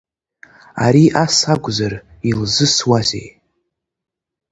Ари ас акәзар, илзысуазеи?